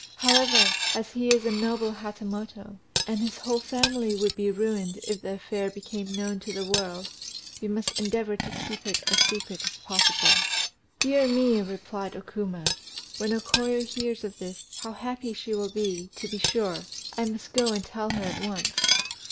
However, as he is a noble Hatamoto, and his whole family would be ruined if the affair became known to the world, we must endeavour to keep it as secret as possible." "Dear me!" replied O Kuma; "when O Koyo hears this, how happy she will be, to be sure! I must go and tell her at once."